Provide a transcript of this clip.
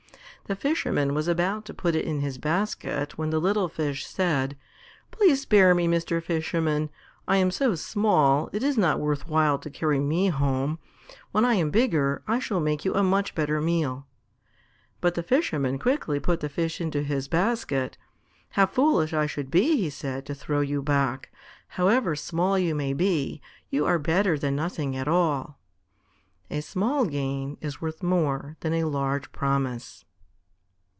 The Fisherman was about to put it in his basket when the little Fish said: "Please spare me, Mr. Fisherman! I am so small it is not worth while to carry me home. When I am bigger, I shall make you a much better meal." But the Fisherman quickly put the fish into his basket. "How foolish I should be," he said, "to throw you back. However small you may be, you are better than nothing at all." _A small gain is worth more than a large promise.